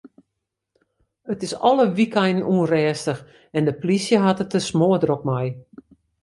It is alle wykeinen ûnrêstich en de polysje hat it der smoardrok mei.